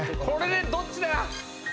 これでどっちだ